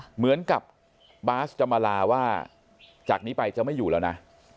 เหมือนกับบาสจะมาลาว่าจากนี้ไปจะไม่อยู่แล้วนะ